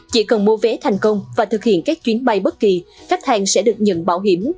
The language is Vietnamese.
chỉ cần mua vé thành công và thực hiện các chuyến bay bất kỳ khách hàng sẽ được nhận bảo hiểm